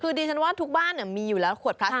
คือดิฉันว่าทุกบ้านมีอยู่แล้วขวดพลาสติ